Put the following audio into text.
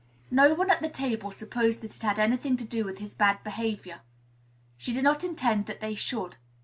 No one at the table supposed that it had any thing to do with his bad behavior. She did not intend that they should.